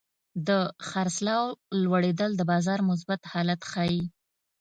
د خرڅلاو لوړېدل د بازار مثبت حالت ښيي.